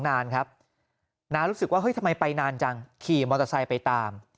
นานครับน้ารู้สึกว่าเฮ้ยทำไมไปนานจังขี่มอเตอร์ไซค์ไปตาม